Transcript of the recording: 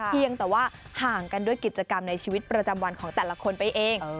เพียงแต่ว่าห่างกันด้วยกิจกรรมในชีวิตประจำวันของแต่ละคนไปเอง